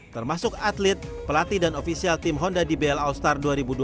termasuk atlet pelatih dan ofisial tim honda di bl all star dua ribu dua puluh